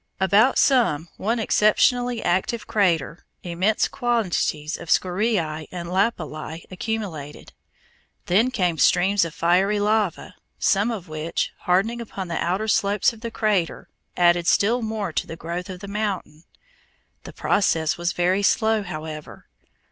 About some one exceptionally active crater immense quantities of scoriæ and lapilli accumulated. Then came streams of fiery lava, some of which, hardening upon the outer slopes of the crater, added still more to the growth of the mountain. The process was very slow, however.